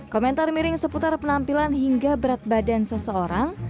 komentar miring seputar penampilan hingga berat badan seseorang